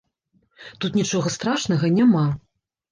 Тут нічога страшнага няма.